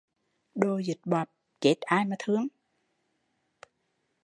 Đồ dịch bọp, chết ai mà thương